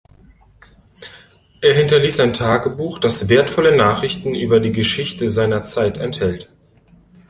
Er hinterließ ein Tagebuch, das wertvolle Nachrichten über die Geschichte seiner Zeit enthält.